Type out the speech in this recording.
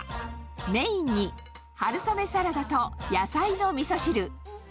メインに春雨サラダと野菜のみそ汁。